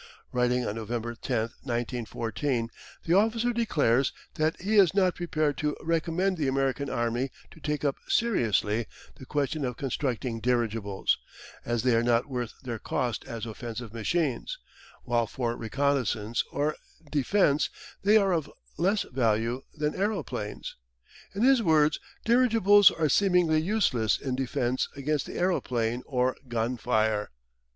Writing on November 10th, 1914, the officer declares that "he is not prepared to recommend the American Army to take up seriously the question of constructing dirigibles, as they are not worth their cost as offensive machines, while for reconnaissance or defence they are of far less value than aeroplanes." In his words, "Dirigibles are seemingly useless in defence against the aeroplane or gun fire."